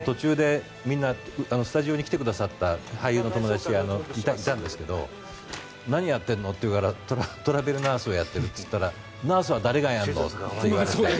僕も途中でみんなスタジオに来てくださった俳優の友達がいたんですけど何やってんの？っていわれてトラベルナースをやってるって言ったらナースは誰がやるの？